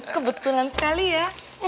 kebetulan sekali ya